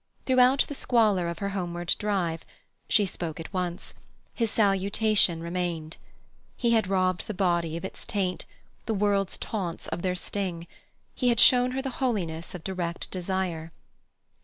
Throughout the squalor of her homeward drive—she spoke at once—his salutation remained. He had robbed the body of its taint, the world's taunts of their sting; he had shown her the holiness of direct desire.